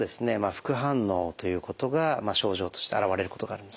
副反応ということが症状として現れることがあるんですね。